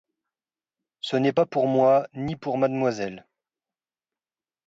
Ce n'est pas pour moi ni pour mademoiselle.